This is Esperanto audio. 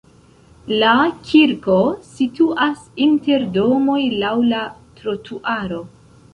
La kirko situas inter domoj laŭ la trotuaro.